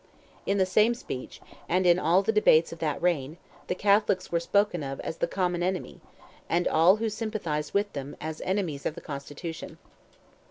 In the same speech, and in all the debates of that reign, the Catholics were spoken of as "the common enemy," and all who sympathized with them, as "enemies of the constitution."